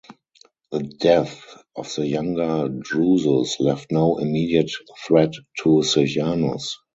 The death of the Younger Drusus left no immediate threat to Sejanus.